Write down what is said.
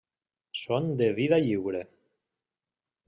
Són de vida lliure.